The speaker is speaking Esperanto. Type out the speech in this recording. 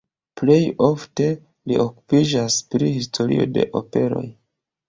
Plej ofte li okupiĝas pri historio de operoj.